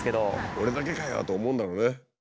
俺だけかよと思うんだろうね。